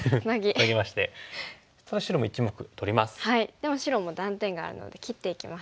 でも白も断点があるので切っていきます。